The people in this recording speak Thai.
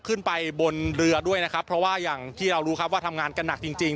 ขึ้นไปบนเรือด้วยนะครับเพราะว่าอย่างที่เรารู้ครับว่าทำงานกันหนักจริงจริง